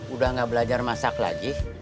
udah gak belajar masak lagi